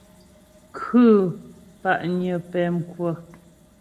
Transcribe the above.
Khʉ̂ pa'nyə pɛmkwə.